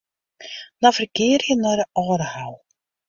Navigearje nei de Aldehou.